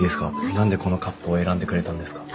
何でこのカップを選んでくれたんですか？